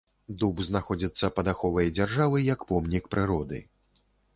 Дуб знаходзіцца пад аховай дзяржавы як помнік прыроды.